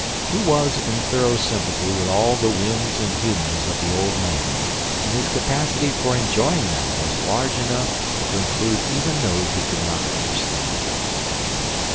He was in thorough sympathy with all the whims and humors of the old man, and his capacity for enjoying them was large enough to include even those he could not understand.